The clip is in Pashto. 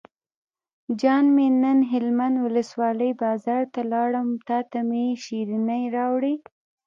جان مې نن هلمند ولسوالۍ بازار ته لاړم او تاته مې شیرینۍ راوړې.